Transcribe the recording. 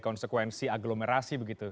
konsekuensi agglomerasi begitu